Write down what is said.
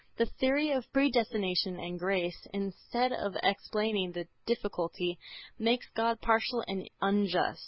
The theory of predestination and grace, instead of explaining the difficulty, makes God partial and unjust.